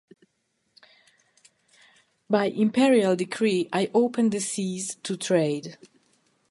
By imperial decree I open the seas to trade.